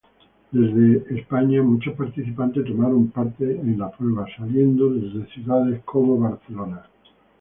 Desde España muchos participantes tomaron parte en la prueba saliendo desde ciudades como Barcelona.